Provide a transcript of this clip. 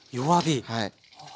はい。